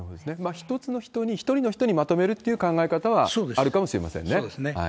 一つの人に、一人の人にまとめるっていう考え方はあるかもしれませんね。